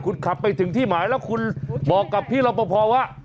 คุณขับไปถึงที่หมายแล้วคุณบอกกับพี่รอปภว่า